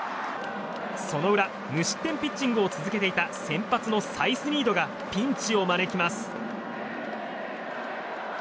その裏、無失点ピッチングを続けていた先発のサイスニードがピンチを招きます。